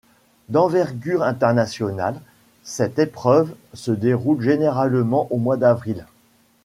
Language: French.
D'envergure internationale, cette épreuve se déroule généralement au mois d'avril.